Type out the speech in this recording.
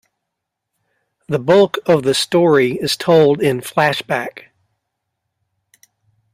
The bulk of the story is told in flashback.